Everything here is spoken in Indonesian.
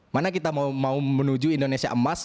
mana kita mau menuju indonesia emas